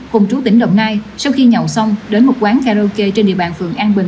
cùng chú tỉnh đồng nai sau khi nhậu xong đến một quán karaoke trên địa bàn phường an bình